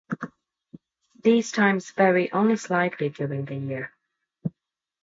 These times vary only slightly during the year.